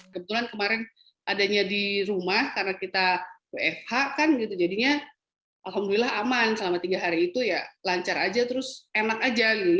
kebetulan kemarin adanya di rumah karena kita wfh kan gitu jadinya alhamdulillah aman selama tiga hari itu ya lancar aja terus enak aja gitu